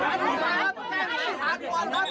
เอาเลย